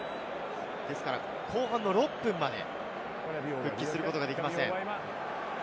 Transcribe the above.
ですから後半の６分まで復帰することができません。